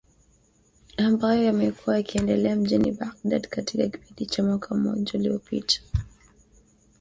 Ambayo yamekuwa yakiendelea mjini Baghdad katika kipindi cha mwaka mmoja uliopita.